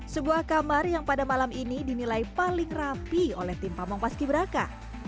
sebuah kamar yang pada malam ini dinilai paling rapi oleh tim pamong paski braka